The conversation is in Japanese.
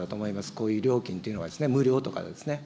こういう料金というのは、無料とかですね。